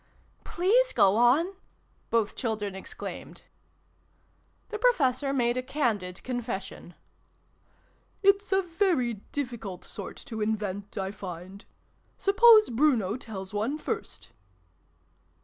" Please go on !" both children exclaimed. The Professor made a candid confession. " It's a very difficult sort to invent, I find. Suppose Bruno tells one, first."